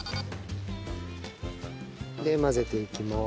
で混ぜていきまーす。